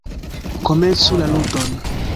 Komencu la ludon!